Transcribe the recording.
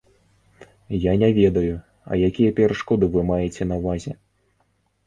Я не ведаю, а якія перашкоды вы маеце на ўвазе?